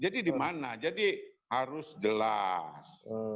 jadi dimana jadi harus jelas